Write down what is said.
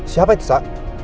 siapa itu sa